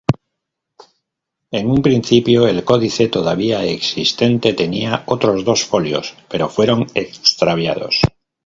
En un principio el códice todavía existente tenía otros dos folios, pero fueron extraviados.